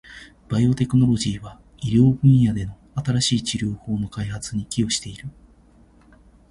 バイオテクノロジーは、医療分野での新しい治療法の開発に寄与している。